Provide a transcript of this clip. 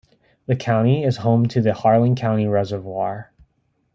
The county is home to the Harlan County Reservoir.